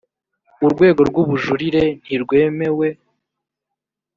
urwego rw ubujurire ntirwemewe